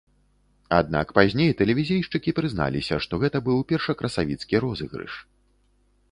Аднак пазней тэлевізійшчыкі прызналіся, што гэта быў першакрасавіцкі розыгрыш.